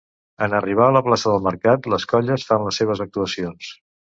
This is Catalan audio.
En arribar a la plaça del Mercat, les colles fan les seves actuacions.